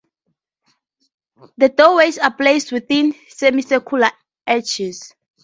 The doorways are placed within semicircular arches.